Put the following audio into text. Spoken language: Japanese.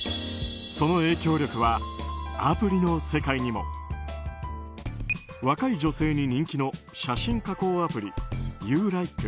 その影響力は、アプリの世界にも。若い女性に人気の写真加工アプリＵｌｉｋｅ。